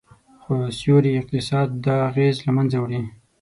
خو سیوري اقتصاد دا اغیز له منځه وړي